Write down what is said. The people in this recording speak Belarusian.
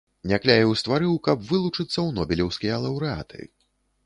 Някляеў стварыў, каб вылучыцца ў нобелеўскія лаўрэаты.